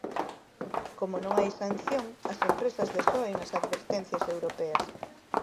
Como non hai sanción, as empresas desoen as advertencias europeas.